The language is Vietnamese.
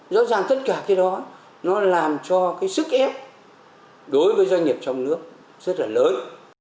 rõ ràng tất cả cái đó nó làm cho cái sức ép đối với doanh nghiệp trong nước rất là lớn